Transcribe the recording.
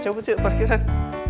coba cuk parkiran